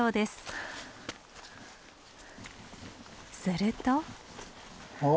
すると。